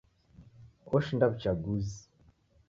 Oshinda w'uchaguzi.